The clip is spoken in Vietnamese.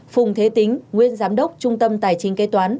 phùng thế tính nguyên giám đốc trung tâm tài chính kế toán